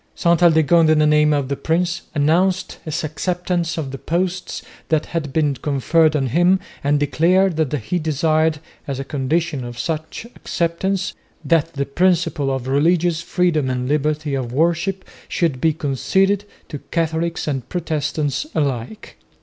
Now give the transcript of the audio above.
Ste Aldegonde in the name of the prince announced his acceptance of the posts that had been conferred on him and declared that he desired, as a condition of such acceptance, that the principle of religious freedom and liberty of worship should be conceded to Catholics and Protestants alike.